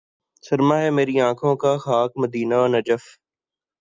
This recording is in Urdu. سرمہ ہے میری آنکھ کا خاک مدینہ و نجف